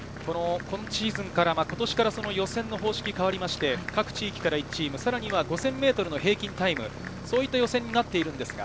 今シーズンから、今年から予選の方式変わりまして、各地域から１チーム、さらに５０００ｍの平均タイム、そういう予選になっています。